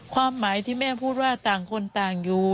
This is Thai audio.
ความหมายที่แม่พูดว่าต่างคนต่างอยู่